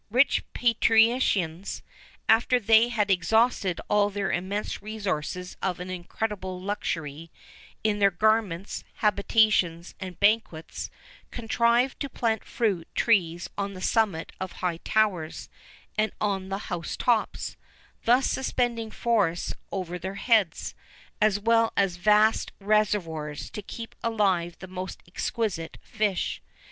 [XI 15] Rich patricians, after they had exhausted all the immense resources of an incredible luxury in their garments, habitations, and banquets contrived to plant fruit trees on the summit of high towers, and on the house tops;[XI 16] thus suspending forests over their heads,[XI 17] as well as vast reservoirs, to keep alive the most exquisite fish.